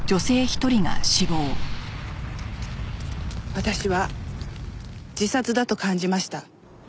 私は自殺だと感じました。